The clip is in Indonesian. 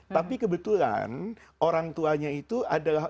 tapi kebetulan orang tuanya itu adalah